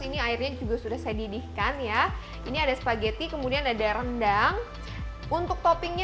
ini airnya juga sudah saya didihkan ya ini ada spaghetti kemudian ada rendang untuk toppingnya